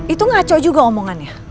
itu ngaco juga omongannya